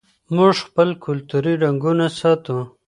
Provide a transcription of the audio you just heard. موږ خپل کلتوري رنګونه ساتو.